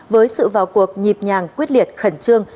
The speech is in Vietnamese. với sự vào cuộc nhịp nhàng quyết liệt khẩn trương